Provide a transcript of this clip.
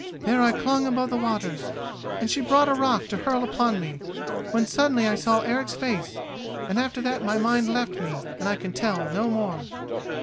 There I clung above the waters, and she brought a rock to hurl upon me, when suddenly I saw Eric's face, and after that my mind left me and I can tell no more."